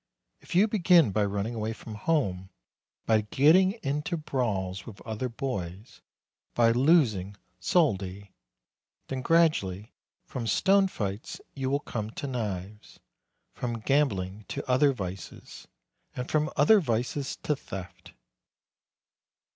If you begin by running away from home, by getting into brawls with the other boys, by losing soldi, then, gradually, from stone fights you will come to knives, from gambling to other vices, and from other vices to theft."